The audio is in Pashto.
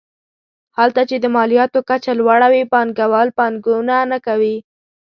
هلته چې د مالیاتو کچه لوړه وي پانګوال پانګونه نه کوي.